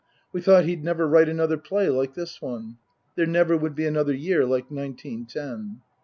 We thought he'd never write another play like this one. There never would be another year like nineteen ten.